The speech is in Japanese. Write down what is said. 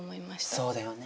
そうだよね。